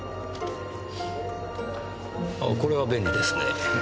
あぁこれは便利ですねぇ。